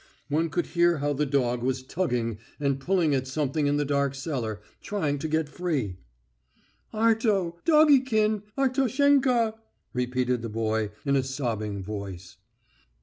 One could hear how the dog was tugging and pulling at something in the dark cellar, trying to get free. "Arto! Doggikin!... Artoshenka!..." repeated the boy in a sobbing voice.